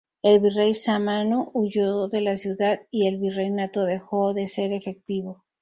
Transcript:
El virrey Sámano huyó de la ciudad, y el virreinato dejó de ser efectivo.